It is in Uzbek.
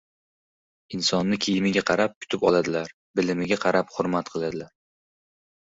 • Insonni kiyimiga qarab kutib oladilar, bilimiga qarab hurmat qiladilar.